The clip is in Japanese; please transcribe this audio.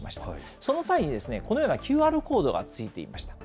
その際に、このようなＱＲコードがついていました。